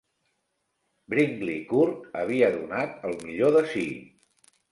Brinkley Court havia donat el millor de si.